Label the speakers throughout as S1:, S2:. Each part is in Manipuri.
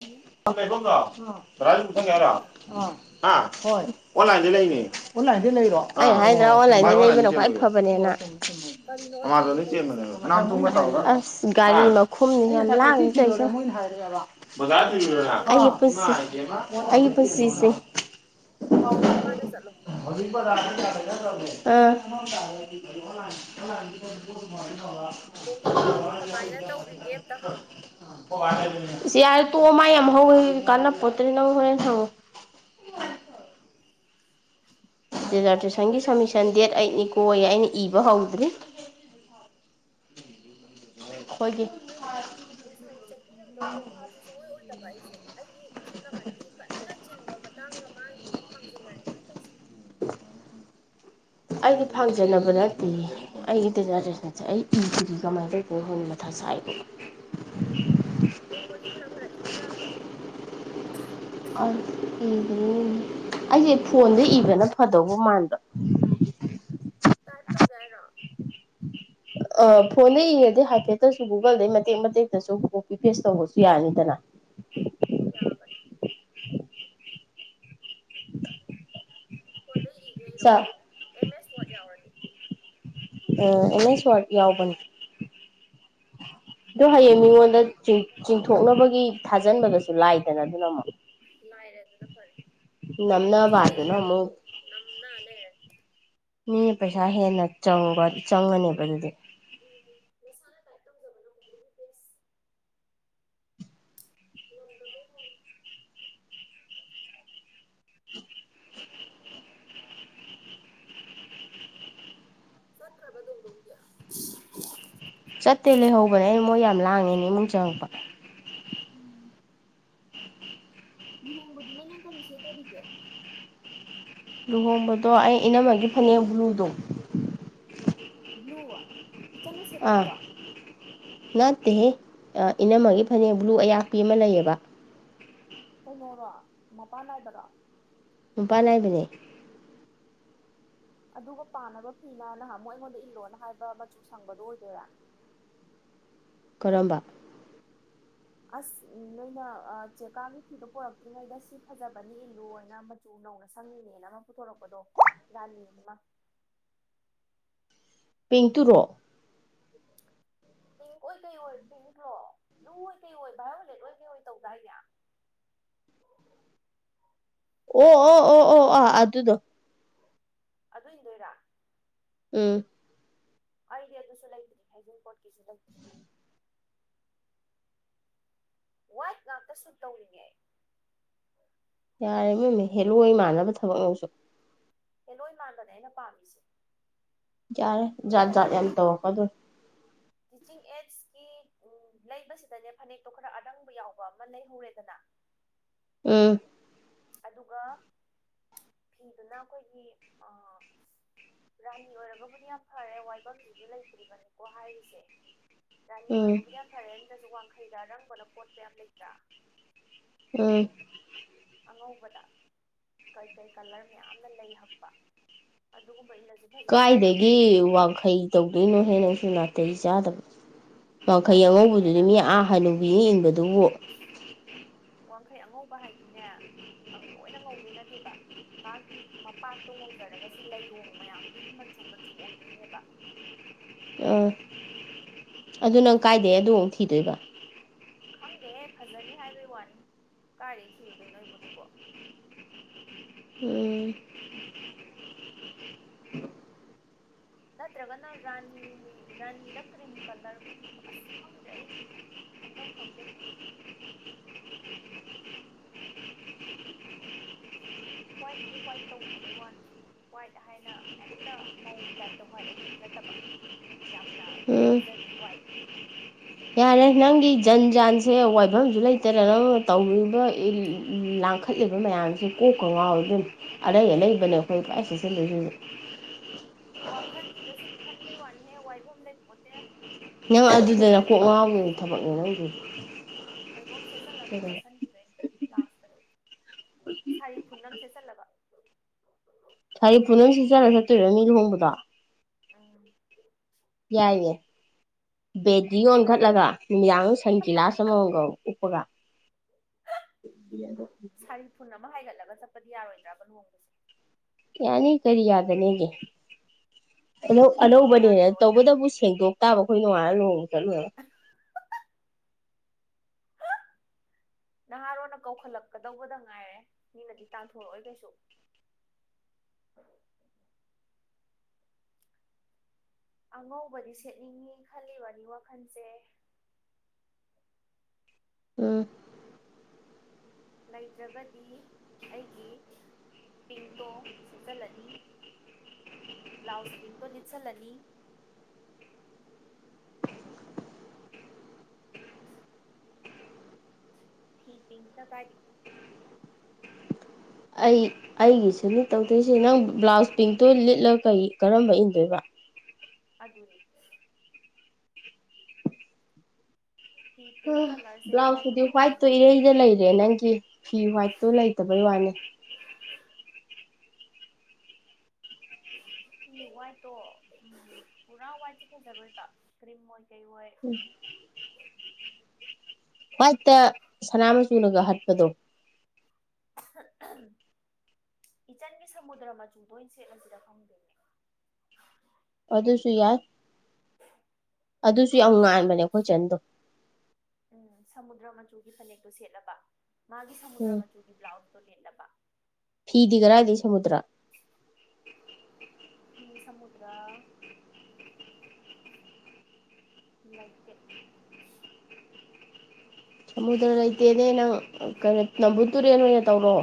S1: ꯎꯝ
S2: ꯕꯣ ꯔꯥꯖꯨꯠꯇ ꯌꯥꯔ
S1: ꯇꯥꯕ꯭ꯔꯥ
S2: [unintelligible] ꯍꯣꯏ ꯑꯣꯟꯂꯥꯏꯟꯗꯩ ꯂꯩꯔꯤꯅꯦ ꯑꯣꯟꯂꯥꯏꯟꯗꯩ ꯂꯩꯔꯤꯔꯣ ꯑꯩꯅ ꯍꯥꯏꯗꯔꯥ ꯑꯣꯟꯂꯥꯏꯟꯗꯩ ꯂꯩꯕꯅ ꯈ꯭ꯋꯥꯏ ꯐꯕꯅꯦꯅ
S1: ꯀꯔꯤꯅꯣ
S2: ꯑꯦꯃꯥꯖꯣꯟ
S1: ꯑꯣꯟꯂꯥꯏꯟꯗꯩ
S2: ꯗꯩꯩ
S1: ꯂꯩꯔꯤꯁꯦ
S2: ꯆꯦꯟꯕꯅꯦꯕ ꯑꯁ ꯒꯥꯔꯤ ꯃꯈꯨꯝꯅꯤꯅ ꯂꯥꯡꯉꯤꯖꯦ ꯇꯧꯔꯤꯖꯦ ꯌꯦꯡꯉꯣ
S1: ꯌꯥꯝ ꯂꯥꯡꯉꯦ
S2: ꯑꯩꯒꯤ ꯄꯨꯟꯁꯤ ꯑꯩꯒꯤ ꯄꯨꯟꯁꯤꯁꯦ
S1: ꯄꯨꯈꯤ ꯃꯄꯥꯟꯗ ꯆꯠꯂꯣ
S2: ꯑꯥ ꯈ ꯃ [inaudible]
S1: ꯗꯣꯡꯗꯣꯡ ꯅꯥꯎꯗꯣ ꯀꯃꯥꯏꯅ ꯇꯧꯔꯤꯒꯦ ꯑꯝꯇ ꯍꯪꯉꯨ
S2: ꯁꯤ ꯌꯥꯔꯦ ꯇꯣꯛꯑꯣ ꯃꯥ ꯌꯥꯝ ꯍꯧꯋꯦ ꯀꯥꯟꯅ ꯄꯣꯠꯇꯦ ꯅꯪ ꯍꯣꯔꯦꯟ ꯍꯪꯉꯣ
S1: [inaudible]
S2: ꯗꯤꯖꯥꯔꯕꯦꯁꯟꯒꯤ
S1: ꯃꯥꯡꯉꯝꯗꯣꯏꯔꯥ ꯈꯪꯗꯦ
S2: ꯁꯝꯃꯤꯁꯟ ꯗꯦꯠ
S1: ꯑꯗꯨꯅ
S2: ꯑꯦꯠꯅꯤ
S1: ꯑꯩꯁꯦ
S2: ꯀꯣꯌꯦ ꯑꯩꯅ ꯑꯩꯅ ꯏꯕ ꯍꯧꯗ꯭ꯔꯤ ꯑꯩꯈꯣꯏꯗꯤ
S1: ꯑꯩꯅ ꯉꯁꯥꯏ ꯆꯠꯄꯤꯔꯝꯗꯧꯗꯣ ꯚꯥꯕꯁꯦ ꯁꯨꯡꯑꯣꯏ ꯑꯣꯏꯗꯕ ꯑꯩꯁꯦ ꯑꯩꯒꯤ ꯁꯣꯝ ꯅꯥꯀꯟꯒꯤ ꯀꯟꯅ ꯆꯤꯟꯕ ꯃꯇꯥꯡꯒ ꯃꯥꯒꯤꯗꯨꯒ ꯐꯥꯡꯖꯤꯟꯅꯔꯦꯕ ꯍꯟꯗꯛꯁꯦ [inaudible]
S2: ꯑꯩꯗꯤ ꯐꯥꯡꯖꯟꯅꯕ ꯅꯠꯇꯤꯌꯦ ꯑꯩꯗꯤ ꯗꯤꯖꯥꯔꯇꯔꯁꯥꯟ ꯑꯩ ꯢꯗꯤꯌꯦ ꯀꯃꯥꯏ ꯇꯧꯗꯣꯏꯅꯣ ꯈꯪꯗꯦ ꯃꯊꯥ ꯁꯥꯏꯕꯣ
S1: ꯅꯣꯡꯃꯒꯤ ꯈꯔ ꯈꯔ ꯏꯌꯨ ꯌꯥꯗ꯭ꯔꯣ
S2: ꯑꯩꯁꯦ ꯐꯣꯟꯗ ꯏꯕꯅ ꯐꯗꯧꯕ ꯃꯥꯟꯕ
S1: ꯇꯥꯏꯞ ꯇꯧꯒꯦ ꯍꯥꯏꯔꯣ
S2: ꯑ ꯐꯣꯟꯗ ꯌꯦꯡꯉꯗꯤ ꯍꯥꯏꯐꯦꯠꯇꯁꯨ ꯒꯨꯒꯜꯗꯩ ꯃꯇꯦꯛ ꯃꯇꯦꯛꯇꯁꯨ ꯀꯣꯄꯤ ꯐꯦꯁ ꯇꯧꯕꯁꯨ ꯌꯥꯅꯤꯗꯅ
S1: ꯌꯥꯕꯅꯤ ꯐꯣꯟꯗꯩ ꯏꯒꯦ ꯏꯔꯣ
S2: ꯆꯥ
S1: ꯑꯦꯝ ꯑꯦꯁ ꯋꯥꯔꯗ ꯌꯥꯎꯔꯗꯤ
S2: ꯑ ꯑꯦꯝ ꯑꯦꯁ ꯋꯥꯔꯗ ꯌꯥꯎꯕꯅꯤ ꯑꯗꯣ
S1: ꯑꯦꯝ ꯑꯦꯁ
S2: ꯍꯌꯦꯡ
S1: ꯋꯥꯔꯗ ꯌꯥꯎꯔꯗꯤ
S2: ꯃꯤꯉꯣꯟꯗ ꯆꯤꯡ
S1: ꯐꯣꯟꯗ ꯏꯔꯣ
S2: ꯆꯤꯡꯊꯣꯛꯅꯕꯒꯤ ꯊꯥꯖꯤꯟꯕꯗꯁꯨ ꯂꯥꯏꯗꯅ ꯑꯗꯨꯅ ꯑꯃꯨꯛ
S1: ꯂꯥꯏꯔꯦ ꯑꯗꯨꯅ ꯐꯔꯦ ꯆꯦꯗ ꯏꯔꯒ ꯑꯃꯨꯛ ꯅꯝꯅ ꯂꯩꯔꯗꯤ
S2: ꯃꯤꯅ ꯄꯩꯁꯥ ꯍꯦꯟꯅ ꯆꯪꯕ ꯆꯪꯉꯅꯦꯕ ꯑꯗꯨꯗꯤ
S1: ꯎꯝ ꯃꯁꯥꯅ ꯇꯥꯏꯞ ꯇꯧꯖꯕꯅꯤ ꯉꯥꯝꯗꯕꯒꯤ ꯋꯥꯅꯤ ꯆꯠꯈ꯭ꯔꯕ ꯗꯣꯡꯗꯣꯡꯗꯤ
S2: ꯆꯠꯇꯦ ꯂꯩꯍꯧꯕꯅꯦ ꯑꯩ ꯃꯣꯏ ꯌꯥꯝ ꯂꯥꯡꯉꯦꯅ ꯏꯃꯨꯡ ꯆꯪꯉꯛꯄ
S1: ꯎꯝ ꯂꯨꯍꯣꯡꯕꯗꯨꯅ ꯅꯪ ꯀꯔꯤ ꯁꯦꯠ ꯇꯧꯔꯤꯒꯦ
S2: ꯂꯨꯍꯣꯡꯕꯗꯣ ꯑꯩ ꯏꯅꯝꯃꯒꯤ ꯐꯅꯦꯛ ꯕ꯭ꯂꯨꯗꯣ
S1: ꯕ꯭ꯂꯨ ꯏꯆꯟꯅ
S2: ꯑꯥ
S1: ꯁꯦꯠꯄꯗꯨꯔꯣ
S2: ꯅꯠꯇꯦꯍꯦ ꯑ ꯏꯅꯝꯃꯒꯤ ꯐꯅꯦꯛ ꯕ꯭ꯂꯨ ꯑꯌꯥꯛꯄꯤ ꯑꯃ ꯂꯩꯌꯦꯕ
S1: ꯀꯩꯅꯣꯔꯣ ꯃꯄꯥꯟ ꯅꯥꯏꯕꯔꯣ
S2: ꯃꯄꯥꯟ ꯅꯥꯏꯕꯅꯦ
S1: ꯑꯗꯨꯒ ꯄꯥꯅꯕ ꯐꯤ ꯃꯅ ꯅꯍꯥꯟꯃꯨꯛ ꯑꯩꯉꯣꯟꯗ ꯏꯜꯂꯣꯅ ꯍꯥꯏꯕ ꯃꯆꯨ ꯁꯪꯕꯗꯣ ꯑꯣꯏꯗꯣꯏꯔꯥ
S2: ꯀꯔꯝꯕ
S1: ꯑꯁ ꯅꯣꯏꯅ ꯑ ꯆꯦꯛꯀꯥꯒꯤ ꯐꯤꯗꯣ ꯄꯨꯔꯛꯇ꯭ꯔꯤꯉꯩꯗ ꯁꯤ ꯐꯖꯕꯅꯤ ꯏꯜꯂꯨꯅ ꯃꯆꯨ ꯅꯧꯅ ꯁꯪꯉꯤꯅꯦꯅ ꯑꯃ ꯄꯨꯊꯣꯔꯛꯄꯗꯣ ꯔꯥꯅꯤ ꯑꯃ
S2: ꯄꯤꯟꯛ ꯇꯨꯔꯣ
S1: ꯄꯤꯡꯛ ꯑꯣꯏ ꯀꯩ ꯑꯣꯏ ꯄꯤꯟꯛꯂꯣ ꯕ꯭ꯂꯨ ꯑꯣꯏ ꯀꯩ ꯑꯣꯏ ꯚꯥꯏꯌꯣꯂꯦꯠ ꯑꯣꯏ ꯀꯩ ꯑꯣꯏ ꯇꯧꯗꯥꯏꯅꯦ
S2: ꯑꯣ ꯑꯣ ꯑꯣ ꯑꯣ ꯑ ꯑꯗꯨꯗꯣ
S1: ꯑꯗꯨ ꯏꯟꯗꯣꯏꯔꯥ
S2: ꯎꯝ
S1: ꯑꯩꯗꯤ ꯑꯗꯨꯁꯨ ꯂꯩꯇ꯭ꯔꯤ ꯍꯩꯖꯤꯡꯄꯣꯠꯀꯤꯁꯨ ꯂꯩꯇ꯭ꯔꯤ ꯋꯥꯏ꯭ꯠ ꯉꯥꯛꯇ ꯁꯨꯠ ꯇꯧꯔꯤꯅꯦ ꯑꯩ
S2: ꯌꯥꯔꯦ ꯏꯕꯦꯝꯃ ꯍꯦꯜꯂꯣꯏ ꯃꯥꯟꯅꯕ ꯊꯕꯛꯅꯤ ꯅꯪꯁꯨ
S1: ꯍꯦꯜꯂꯣꯏ ꯃꯥꯟꯕꯅꯦ ꯑꯩꯅ ꯄꯥꯝꯃꯤꯁꯦ
S2: ꯌꯥꯔꯦ
S1: ꯑꯩ
S2: ꯖꯥꯠ ꯖꯥꯠ ꯌꯥꯝ
S1: ꯍꯟꯗꯛꯀꯤ
S2: ꯇꯧꯔꯛꯀꯗꯧꯔꯤ
S1: ꯇꯤꯆꯤꯡ ꯑꯦꯠꯁꯀꯤ ꯎ ꯂꯩꯕꯁꯤꯗꯅꯦ ꯐꯅꯦꯛꯇꯣ ꯈꯔ ꯑꯔꯪꯕ ꯌꯥꯎꯕ ꯑꯃ ꯂꯩꯍꯧꯔꯦꯗꯅ
S2: ꯎꯝ
S1: ꯑꯗꯨꯒ ꯐꯤꯗꯨꯅ ꯑꯩꯈꯣꯏꯒꯤ ꯑ ꯔꯥꯅꯤ ꯑꯣꯏꯔꯒꯕꯨꯗꯤ ꯌꯥꯝ ꯐꯔꯦ ꯋꯥꯏꯐꯝꯁꯤꯁꯨ ꯂꯩꯇ꯭ꯔꯤꯕꯅꯤꯀꯣ ꯍꯥꯏꯔꯤꯁꯦ ꯔꯥꯅꯤ
S2: ꯎꯝ
S1: ꯑꯣꯏꯔꯒꯕꯨꯗꯤ ꯌꯥꯝ ꯐꯔꯦ ꯅꯠꯇ꯭ꯔꯁꯨ ꯋꯥꯡꯈꯩꯗ ꯑꯔꯪꯕꯅ ꯀꯣꯠꯄ ꯌꯥꯝ ꯂꯩꯇ꯭ꯔꯥ
S2: ꯎꯝ
S1: ꯑꯉꯧꯕꯗ ꯀꯩꯀꯩ ꯀꯂꯔ ꯃꯌꯥꯝꯅ ꯂꯩ ꯍꯛꯄ ꯑꯗꯨꯒꯨꯝꯕ ꯏꯜꯂꯁꯨ ꯐꯖꯅꯦꯕ
S2: ꯀꯥꯏꯗꯒꯤ ꯋꯥꯡꯈꯩ ꯇꯧꯗꯣꯏꯅꯣꯍꯦ ꯅꯪꯁꯨ ꯅꯥꯇꯩ ꯆꯥꯗꯕ ꯋꯥꯡꯈꯩ
S1: ꯔꯥꯅꯤꯗꯨꯅ
S2: ꯑꯉꯧꯕꯗꯨꯗꯤ
S1: ꯍꯦꯟꯅ
S2: ꯃꯤ
S1: ꯀꯥꯏꯗꯩ
S2: ꯑꯥ
S1: ꯇꯧꯗꯣꯔꯤꯒꯦ
S2: ꯍꯟꯅꯨꯕꯤꯅ ꯏꯟꯕꯗꯨꯕꯨ
S1: ꯋꯥꯡꯈꯩ ꯑꯉꯧꯕ ꯍꯥꯏꯗꯤꯅꯦ ꯑ ꯂꯣꯏꯅ ꯉꯧꯗꯣꯏ ꯅꯠꯇꯦꯕ ꯃꯥꯒꯤ ꯃꯄꯥꯛꯇꯣ ꯉꯧꯖꯔꯒꯁꯨ ꯂꯩꯔꯣꯡ ꯃꯌꯥꯝꯗꯨꯗꯤ ꯃꯆꯨ ꯃꯆꯨ ꯑꯣꯏꯗꯣꯏꯅꯦꯕ
S2: ꯑꯥ ꯑꯗꯨ ꯅꯪ ꯀꯥꯏꯗꯩ ꯑꯗꯨꯃꯨꯛ ꯊꯤꯗꯣꯏꯕ
S1: ꯈꯪꯗꯦꯍꯦ ꯐꯖꯅꯤ ꯍꯥꯏꯕꯩ ꯋꯥꯅꯤ ꯀꯥꯏꯗ ꯊꯤꯔꯨꯗꯣꯏꯅꯣ ꯑꯩꯕꯣ ꯑꯗꯨꯕꯣ
S2: ꯎꯝ [unintelligible]
S1: ꯅꯠꯇ꯭ꯔꯒꯅ ꯔꯥꯅꯤ ꯔꯥꯅꯤꯗ ꯀ꯭ꯔꯤꯝ ꯀꯂꯔꯒꯨꯝ ꯑꯁ ꯈꯪꯗ꯭ꯔꯦ ꯑꯩ ꯈꯟꯕꯝ ꯈꯪꯗꯦ ꯋꯥ꯭ꯏꯠꯇꯤ ꯋꯥ꯭ꯏꯠ ꯇꯧꯅꯤꯡꯕꯩ ꯋꯥꯅꯤꯁꯦ ꯋꯥꯋꯥꯏꯠ ꯍꯥꯏꯅ ꯍꯦꯛꯇ ꯃꯧꯒꯤ ꯇꯥꯏꯞꯇ ꯍ꯭ꯋꯥꯏꯠ ꯑꯗꯨꯗꯤ ꯅꯠꯇꯕ ꯌꯥꯝꯅ
S2: ꯎꯝ
S1: ꯐꯖꯕꯤ ꯋꯥꯏꯠ
S2: ꯌꯥꯔꯦ ꯅꯪꯒꯤ ꯖꯟ ꯖꯥꯟ ꯁꯦ ꯋꯥꯏꯐꯝꯁꯨ ꯂꯩꯇꯗꯅ ꯇꯧꯔꯤꯕ ꯂꯥꯡꯈꯠꯂꯤꯕ ꯃꯌꯥꯝꯁꯦ ꯀꯣꯛꯀ ꯉꯥꯎꯋꯤ ꯏꯕꯦꯝꯃꯥ ꯑꯔꯩ ꯑꯥꯂꯩꯕꯅꯦ ꯑꯩꯈꯣꯏ [unintelligible] ꯁꯦꯠꯁꯤꯟꯗꯣꯏꯁꯤ
S1: ꯋꯥꯈꯟꯁꯤꯗ ꯁꯨꯝ ꯈꯟꯕꯩ ꯋꯥꯅꯤꯍꯦ ꯋꯥꯏꯐꯝ ꯂꯩ ꯄꯣꯠꯇꯦ
S2: ꯅꯪ
S1: ꯈꯨꯗꯛꯇꯨꯗ
S2: ꯑꯗꯨꯗꯅ ꯀꯣꯛ
S1: ꯀꯥꯏꯗꯅꯣ ꯀꯩꯅꯣꯝ
S2: ꯉꯥꯎꯕꯒꯤ
S1: ꯁꯦꯠꯆꯅꯤ
S2: ꯊꯕꯛꯅꯦ ꯅꯪꯗꯨꯗꯤ
S1: ꯀꯩꯅꯣꯝ ꯁꯦꯠꯆꯜꯂꯒ ꯑꯗꯨꯝ ꯆꯠꯁꯤꯟꯕꯤꯗꯣꯏꯅꯦ ꯂꯥꯁꯇ ꯑꯩ ꯁꯥꯔꯤ ꯐꯨꯟ ꯑꯃ ꯁꯦꯠꯁꯤꯟꯂꯒ
S2: ꯍꯥꯏꯗꯤ ꯄꯨꯅꯪ ꯁꯤꯠꯆꯔꯒ ꯆꯠꯇꯣꯏꯔꯥ ꯃꯤ ꯂꯨꯍꯣꯡꯕꯗꯣ
S1: ꯑꯝ
S2: ꯌꯥꯏꯌꯦ ꯕꯦꯗꯤ
S1: ꯁꯥꯔꯤ
S2: ꯑꯣꯟꯈꯠꯂꯒ ꯅꯨꯃꯤꯗꯥꯡ ꯁꯟ ꯒꯤꯂꯥꯁ ꯑꯃꯃꯝꯒ ꯎꯞꯄꯒ ꯗꯣ [unintelligible]
S1: ꯁꯥꯔꯤ ꯐꯨꯟ ꯑꯃ ꯍꯥꯏꯒꯠꯂꯒ ꯆꯠꯄꯗꯤ ꯌꯥꯔꯣꯏꯗ꯭ꯔꯕ ꯂꯨꯍꯣꯡꯕꯁꯦ
S2: ꯌꯥꯅꯤ ꯀꯔꯤ ꯌꯥꯗꯅꯦꯒ ꯑꯧ
S1: ꯃꯣꯏ ꯀꯩꯁꯨ
S2: ꯑꯅꯧꯕꯅꯦꯅ
S1: ꯇꯥꯟꯊꯣꯔꯛꯑꯣꯏꯅ
S2: ꯇꯧꯕꯇꯕꯨ ꯁꯦꯡꯗꯣꯛ ꯇꯥꯕ ꯑꯩꯈꯣꯏ ꯅꯣꯡꯉꯥꯜꯂ ꯂꯨꯍꯣꯡꯕ ꯆꯠꯂꯨꯔꯒ
S1: ꯅꯍꯥꯔꯣꯟꯅ ꯀꯧꯈꯠꯂꯛꯀꯗꯧꯕꯗꯡ ꯉꯥꯏꯔꯦ ꯃꯤꯅꯗꯤ ꯇꯥꯟꯊꯣꯔꯛꯑꯣꯏ ꯀꯩꯁꯨ ꯑꯉꯧꯕꯗꯤ ꯁꯦꯠꯅꯤꯡꯉꯤ ꯈꯜꯂꯤꯕꯅꯤ ꯋꯥꯈꯟꯁꯦ
S2: ꯎꯝ
S1: ꯂꯩꯇ꯭ꯔꯒꯗꯤ ꯑꯩꯒꯤ ꯄꯤꯡꯛꯇꯣ ꯁꯦꯠꯆꯜꯂꯅꯤ ꯕ꯭ꯂꯥꯎꯁ ꯄꯤꯡꯛꯇꯣ ꯂꯤꯠꯁꯜꯂꯅꯤ ꯐꯤ ꯄꯤꯡꯛꯅ ꯀꯥꯏꯗꯒꯤ
S2: ꯑꯩ ꯑꯩꯒꯤꯁꯨꯅꯤ ꯇꯧꯗꯣꯏꯁꯦ ꯅꯪ ꯕ꯭ꯂꯥꯎꯁ ꯄꯤꯡꯛꯇꯨ ꯂꯤꯠꯂ ꯀꯔꯤ ꯀꯔꯝꯕ ꯏꯟꯗꯣꯏꯕ
S1: ꯑꯗꯨꯅꯤ ꯐꯤ ꯄꯤꯡ ꯀꯂꯔꯁꯦ ꯀꯗꯥꯏꯗ
S2: ꯕ꯭ꯂꯥꯎꯁꯇꯄꯨꯗꯤ ꯍ꯭ꯋꯥꯏꯠꯇꯣ
S1: ꯋꯥꯏꯐꯝꯅꯣ
S2: ꯏꯔꯩꯗ ꯂꯩꯔꯦ ꯅꯪꯒꯤ ꯐꯤ ꯍ꯭ꯋꯥꯏꯠꯇꯣ ꯂꯩꯇꯕꯩ ꯋꯥꯅꯤ
S1: ꯋꯥꯏꯠꯇꯣ ꯎꯝ ꯄꯨꯔꯥ ꯋꯥꯏꯠꯁꯨ ꯐꯖꯔꯣꯏꯕ ꯀ꯭ꯔꯤꯝ ꯑꯣꯏ ꯀꯩꯑꯣꯏ
S2: ꯎꯝ ꯍ꯭ꯋꯥꯏꯠꯇ ꯁꯅꯥ ꯃꯆꯨꯨꯅꯒ ꯍꯠꯄꯗꯣ
S1: ꯏꯆꯟꯒꯤ ꯁꯃꯨꯗ꯭ꯔ ꯃꯆꯨꯗꯣ ꯑꯣꯏꯅ ꯁꯦꯠꯂꯁꯤꯔꯥ ꯈꯡꯗꯦꯅꯦ
S2: ꯑꯗꯨꯁꯨ ꯌꯥꯏ ꯑꯗꯨꯁꯨ ꯌꯥꯝ ꯉꯥꯟꯕꯅꯦ ꯑꯩꯈꯣꯏ ꯆꯟꯗꯣ
S1: ꯎꯝ ꯁꯃꯨꯗ꯭ꯔ ꯃꯆꯨꯒꯤ ꯐꯅꯦꯛꯇꯣ ꯁꯦꯠꯂꯕ ꯃꯥꯒꯤ ꯁꯃꯨꯗ꯭ꯔ
S2: ꯎꯝ
S1: ꯃꯆꯨꯒꯤ ꯕ꯭ꯂꯥꯎꯁꯇꯣ ꯂꯤꯠꯂꯕ
S2: ꯐꯤꯗꯤ ꯀꯔꯥꯏꯗꯩ ꯁꯃꯨꯗ꯭ꯔꯥ
S1: ꯐꯤ ꯁꯃꯨꯗ꯭ꯔ ꯂꯩꯥꯇꯦ
S2: ꯁꯃꯨꯗ꯭ꯔ ꯂꯩꯇꯦꯅꯦ ꯅꯪ ꯀꯩꯅꯣ ꯅꯝꯕꯨꯜ ꯇꯨꯔꯦꯟ ꯑꯣꯏꯅ ꯇꯧꯔꯣ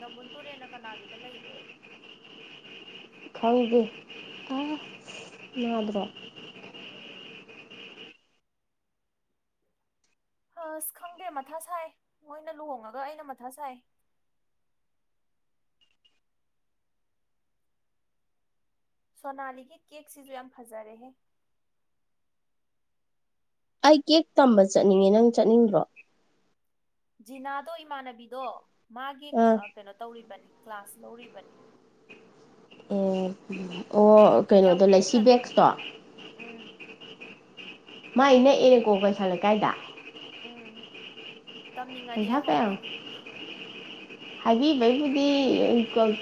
S1: ꯅꯝꯕꯨꯟ ꯇꯨꯔꯦꯟꯅ ꯀꯅꯥꯒꯤꯗ ꯂꯩꯒꯦ
S2: ꯈꯡꯗꯦ ꯑꯥ ꯅꯥꯗꯔꯣ
S1: ꯑꯁ ꯈꯪꯗꯦ ꯃꯊꯥ ꯁꯥꯏ ꯃꯣꯏꯅ ꯂꯨꯍꯣꯡꯉꯒ ꯑꯩꯅ ꯃꯊꯥ ꯁꯥꯏ ꯁꯣꯅꯥꯂꯤꯒꯤ ꯀꯦꯛꯁꯤꯁꯨ ꯌꯥꯝ ꯐꯖꯔꯦꯍꯦ
S2: ꯑꯩ ꯀꯦꯛ ꯇꯝꯕ ꯆꯠꯅꯤꯡꯉꯦ ꯅꯪ ꯆꯠꯅꯤꯡꯗꯔꯣ
S1: ꯖꯤꯅꯥꯗꯣ ꯏꯃꯥꯟꯅꯕꯤꯗꯣ ꯃꯥꯒꯤ ꯑꯥ ꯀꯩꯅꯣ ꯇꯧꯔꯤꯕꯅꯦ ꯀ꯭ꯂꯥꯁ ꯂꯧꯔꯤꯕꯅꯦ
S2: ꯎꯝ ꯑꯣ
S1: ꯌꯥꯝ
S2: ꯀꯩꯅꯣꯗꯣ ꯂꯩꯁꯤ
S1: ꯀꯣꯝꯅ ꯑꯗꯨꯝ
S2: ꯕꯦꯛꯁꯇꯣ
S1: ꯎꯝ
S2: ꯃꯥꯏ ꯅꯛ ꯑꯦꯀꯣ ꯀꯩꯁꯥꯝ ꯂꯩꯀꯥꯏꯗ
S1: ꯎꯝ ꯇꯝꯅꯤꯡꯉꯗꯤ ꯑꯩ
S2: ꯄꯩꯁꯥ ꯀꯩꯌꯥꯝ
S1: ꯍꯥꯏꯕꯤꯈꯤ [inaudible]
S2: ꯍꯥꯏꯕꯤꯕꯩꯕꯨꯗꯤ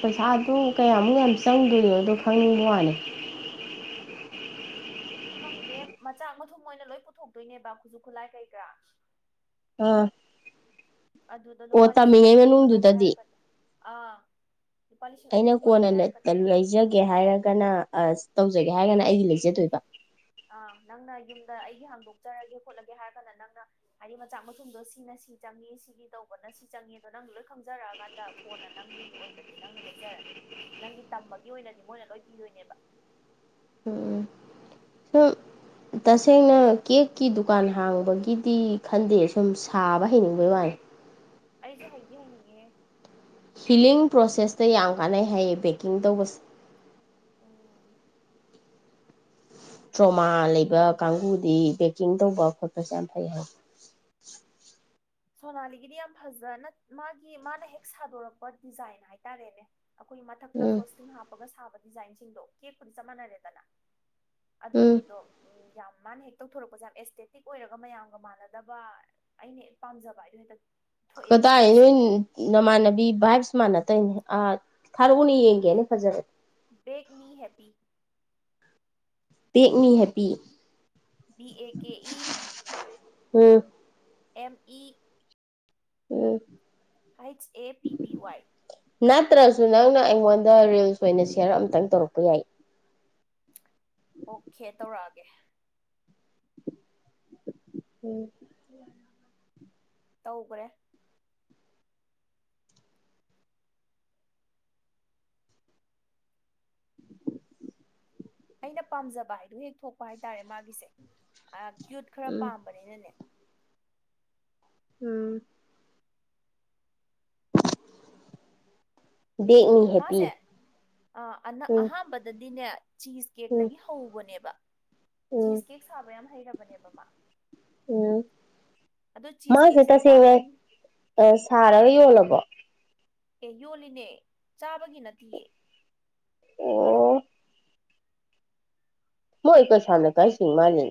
S2: ꯄꯩꯁꯥꯗꯨ ꯀꯌꯥꯃꯨꯛ ꯌꯥꯝ ꯆꯪꯗꯣꯏꯅꯣꯗꯣ ꯈꯪꯅꯤꯡꯕ ꯋꯥꯅꯦ
S1: ꯈꯪꯗꯦ ꯃꯆꯥꯛ ꯃꯊꯨꯝ ꯃꯣꯏꯅ ꯂꯣꯏ ꯄꯨꯊꯣꯛꯇꯣꯏꯅꯦꯕ ꯈꯨꯠꯁꯨ ꯈꯨꯠꯂꯥꯏ ꯀꯩ ꯀꯔꯥ
S2: ꯎꯝ
S1: ꯑꯗꯨꯗ ꯂꯨꯄꯥ ꯂꯤꯁꯤꯡ ꯑꯍꯨꯝꯃꯨꯛꯀ ꯂꯧꯒꯦ
S2: ꯃꯅꯨꯡꯗꯨꯗꯗꯤ
S1: ꯍꯥꯏꯔꯛꯀꯗ꯭ꯔ ꯑꯥ ꯂꯨꯄꯥ ꯂꯤꯁꯤꯡ ꯑꯅꯤ
S2: ꯑꯩꯅ
S1: ꯑꯍꯨꯝꯒ
S2: ꯀꯣꯟꯅ
S1: ꯂꯧꯒꯦ ꯍꯥꯏꯔꯛꯀꯗ꯭ꯔꯥ ꯈꯪꯗꯦ
S2: ꯂꯩꯖꯒꯦ ꯍꯥꯏꯔꯒꯅ ꯑꯁ ꯇꯧꯖꯒꯦ ꯍꯥꯏꯔꯒꯅ ꯑꯩꯒꯤ ꯂꯩꯖꯗꯣꯏꯕ
S1: ꯑꯥ ꯅꯪꯅ ꯌꯨꯝꯗ ꯑꯩꯒꯤ ꯍꯥꯡꯗꯣꯛꯆꯔꯒꯦ ꯈꯣꯠꯂꯒꯦ ꯍꯥꯏꯔꯒꯅ ꯅꯪꯅ ꯍꯥꯏꯗꯤ ꯃꯆꯥꯛ ꯃꯊꯨꯝꯗꯣ ꯁꯤꯅ ꯁꯤ ꯆꯪꯉꯤ ꯁꯤꯒꯤ ꯇꯧꯕꯅ ꯁꯤ ꯆꯪꯉꯤꯗꯣ ꯅꯪ ꯂꯣꯏ ꯈꯪꯖꯔꯛꯑꯀꯥꯟꯗ ꯀꯣꯟꯅ ꯅꯪꯒꯤ ꯑꯣꯏꯕꯗꯤ ꯅꯪꯅ ꯂꯩꯖꯔꯅꯤ ꯅꯪꯒꯤ ꯇꯝꯕꯒꯤ ꯑꯣꯏꯅꯗꯤ ꯃꯣꯏꯅ ꯂꯣꯏ ꯄꯤꯗꯣꯏꯅꯦꯕ
S2: ꯎꯝ ꯎꯝ ꯇꯁꯦꯡꯅ ꯀꯦꯛꯀꯤ ꯗꯨꯀꯥꯟ ꯍꯥꯡꯕꯒꯤꯗꯤ ꯈꯟꯗꯦ ꯁꯨꯝ ꯁꯥꯕ ꯍꯩꯅꯤꯡꯕꯩ ꯋꯥꯅꯤ
S1: ꯑꯩꯁꯨ ꯍꯩꯗꯤ ꯍꯩꯅꯤꯡꯉꯦ
S2: ꯍꯤꯂꯤꯡ ꯄ꯭ꯔꯣꯁꯦꯁꯇ ꯌꯥꯝ ꯀꯥꯟꯅꯩ ꯍꯥꯏꯌꯦ ꯕꯦꯛꯀꯤꯡ ꯇꯧꯕ
S1: ꯑꯣ
S2: ꯇ꯭ꯔꯣꯃꯥ ꯂꯩꯕ ꯀꯥꯡꯕꯨꯗꯤ ꯕꯦꯛꯀꯤꯡ ꯇꯧꯕ ꯈꯣꯠꯄꯁꯨꯦ ꯌꯥꯝ ꯐꯩ ꯍꯥꯏ
S1: ꯁꯣꯅꯥꯂꯤꯒꯤꯗꯤ ꯌꯥꯝ ꯐꯖ ꯃꯥꯒꯤ ꯃꯥꯅ ꯍꯦꯛ ꯁꯥꯗꯣꯔꯛꯄ ꯗꯤꯖꯥꯏꯟ ꯍꯥꯏꯇꯥꯔꯦꯅꯦ ꯑꯩꯈꯣꯏ ꯃꯊꯛꯇ
S2: ꯎꯝ
S1: ꯐ꯭ꯔꯣꯁꯇꯤꯡ ꯍꯥꯞꯄꯒ ꯁꯥꯕ ꯗꯤꯖꯥꯏꯟꯁꯤꯡꯗꯣ ꯀꯦꯛꯄꯗꯤ ꯆꯞ ꯃꯅꯔꯦꯗꯅ
S2: ꯎꯝ
S1: ꯑꯗꯨꯒꯤꯗꯣ ꯎ ꯌꯥꯝ ꯃꯥꯅ ꯍꯦ ꯇꯧꯊꯣꯔꯛꯄꯁꯦ ꯌꯥꯝ ꯑꯦꯁꯇꯦꯇꯤꯛ ꯑꯣꯏꯔꯒ ꯃꯌꯥꯝꯒ ꯃꯥꯟꯅꯗꯕ ꯑꯩꯅ ꯄꯥꯝꯖꯕ ꯍꯥꯏꯗꯨ ꯍꯦꯛꯇ ꯊꯣꯛꯑꯦꯕ
S2: ꯀꯗꯥꯏ
S1: ꯃꯥꯒꯤꯁꯦ
S2: [unintelligible] ꯅꯃꯥꯟꯅꯕꯤ ꯚꯥꯏꯞꯁ ꯃꯥꯟꯅꯗꯣꯏꯅꯦ ꯑꯥ ꯊꯥꯔꯛꯎꯅꯦ ꯌꯦꯡꯒꯦꯅ ꯐꯖꯔꯗꯤ
S1: bake me happy
S2: bake me happy
S1: B A K E
S2: um
S1: M E
S2: um
S1: H A P P Y
S2: ꯅꯠꯇ꯭ꯔꯁꯨ ꯅꯪꯅ ꯑꯩꯉꯣꯟꯗ ꯔꯤꯜꯁ ꯑꯣꯏꯅ ꯁꯤꯌꯥꯔ ꯑꯃꯇꯪ ꯇꯧꯔꯛꯄ ꯌꯥꯏ
S1: ꯑꯣꯀꯦ ꯇꯧꯔꯛꯑꯒꯦ
S2: ꯎꯝ
S1: ꯇꯧꯈ꯭ꯔꯦ ꯑꯩꯅ ꯄꯥꯝꯖꯕ ꯍꯥꯏꯗꯣ ꯍꯦꯛ ꯊꯣꯛꯄ ꯍꯥꯏꯇꯥꯔꯦ ꯃꯥꯒꯤꯁꯦ ꯀ꯭ꯌꯨꯠ ꯈꯔ
S2: ꯎꯝ
S1: ꯄꯥꯝꯕꯅꯤꯅꯅꯦ
S2: ꯎꯝ ꯕꯦꯛꯅꯤ ꯍꯦꯞꯄꯤ
S1: ꯃꯥꯁꯦ
S2: ꯎꯝ
S1: ꯑꯍꯥꯟꯕꯗꯗꯤꯅꯦ ꯆꯤꯁ
S2: ꯎꯝ
S1: ꯀꯦꯛꯇꯒꯤ ꯍꯧꯕꯅꯦꯕ
S2: ꯎꯝ
S1: ꯆꯤꯁ ꯀꯦꯛ ꯁꯥꯕ ꯌꯥꯝ ꯍꯩꯔꯕꯅꯦꯕ ꯃꯥ
S2: ꯎꯝ
S1: ꯑꯗꯣ ꯆꯤꯁ
S2: ꯃꯥꯁꯦ
S1: ꯀꯦꯛꯁꯤꯗꯤ
S2: ꯇꯁꯦꯡꯅ
S1: ꯇꯥꯡꯕꯅꯤ
S2: ꯁꯥꯔꯒ ꯌꯣꯜꯂꯕꯣ
S1: ꯑꯦ ꯌꯣꯜꯂꯤꯅꯦ ꯆꯥꯕꯒꯤ ꯅꯠꯇꯦꯌꯦ
S2: ꯑꯣ ꯃꯣꯏ ꯀꯩꯁꯥꯝ ꯂꯩꯀꯥꯏ ꯆꯤꯡ ꯃꯥꯜꯂꯦ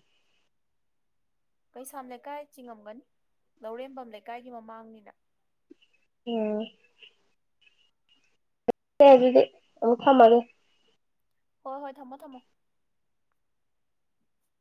S1: ꯀꯩꯁꯥꯝ ꯂꯩꯀꯥꯏ ꯆꯤꯡꯉꯝꯒꯅꯤ ꯂꯧꯔꯦꯝꯕꯝ ꯂꯩꯀꯥꯏꯒꯤ ꯃꯃꯥꯡꯅꯤꯅ
S2: ꯎꯝ [unintelligible] ꯑꯗꯨꯗꯤ ꯑꯃꯨꯛ ꯊꯝꯃꯒꯦ
S1: ꯍꯣꯏ ꯍꯣꯏ ꯊꯝꯃꯣ ꯊꯝꯃꯣ